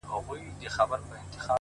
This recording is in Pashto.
ځي له وطنه خو په هر قدم و شاته ګوري’